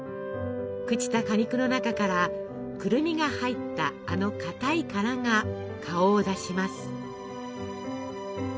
朽ちた果肉の中からくるみが入ったあのかたい殻が顔を出します。